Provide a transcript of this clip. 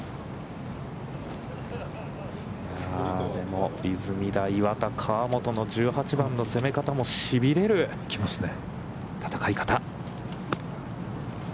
でも出水田、岩田、河本の１８番の攻め方もしびれる戦い方。